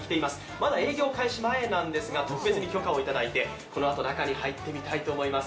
まだ営業開始前なんですが特別に許可を得てこのあと中に入ってみたいと思います。